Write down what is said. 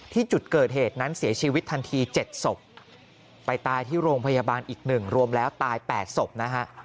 ที่จุดเกิดเหตุนั้นเสียชีวิตทันที๗ศพไปตายที่โรงพยาบาลอีก๑รวมแล้วตาย๘ศพนะฮะ